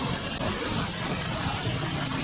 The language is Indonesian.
kota yang terkenal dengan